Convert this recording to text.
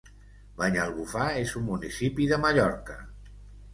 Banyalbufar és un municipi de Mallorca.